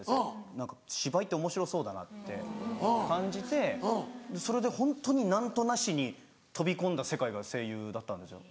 何か芝居っておもしろそうだなって感じてそれでホントに何となしに飛び込んだ世界が声優だったんですよ。